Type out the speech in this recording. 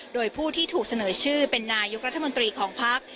โดยผู้ที่ถูกเสนอชื่อเป็นนายกรัฐมนตรีของพัก